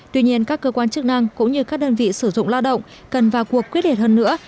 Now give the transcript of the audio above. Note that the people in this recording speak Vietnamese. tuy nhiên các cơ quan chức năng cũng như các đơn vị sử dụng lao động cần vào cuộc quyết liệt hơn nữa